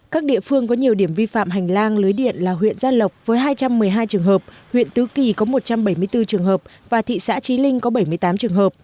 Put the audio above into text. các địa phương có nhiều điểm vi phạm hành lang lưới điện là huyện gia lộc với hai trăm một mươi hai trường hợp huyện tứ kỳ có một trăm bảy mươi bốn trường hợp và thị xã trí linh có bảy mươi tám trường hợp